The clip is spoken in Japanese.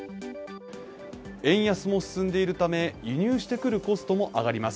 円安も進んでいるため、輸入してくるコストも上がります。